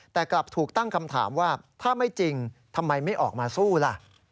แต่กลับถูกตั้งคำถามว่าถ้าไม่จริงทำไมไม่ออกมาสู้ล่ะ